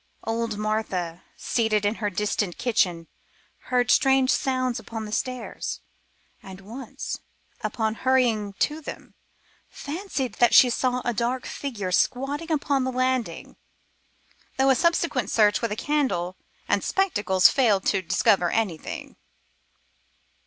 Old Martha, seated in her distant kitchen, heard strange sounds upon the stairs, and once, upon hurrying to them, fancied that she saw a dark figure squatting upon the landing, though a subsequent search with candle and spectacles failed to discover anything.